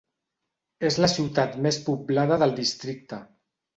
És la ciutat més poblada del districte.